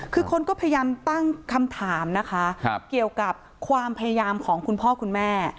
คือคนก็พยายามตั้งคำถามนะคะเกี่ยวกับความพยายามของคุณพ่อคุณแม่